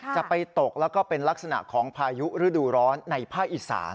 จะไปตกแล้วก็เป็นลักษณะของพายุฤดูร้อนในภาคอีสาน